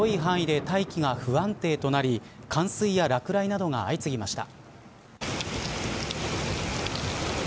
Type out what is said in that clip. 昨日も日本列島は広い範囲で大気が不安定となり冠水や落雷などが相次ぎました。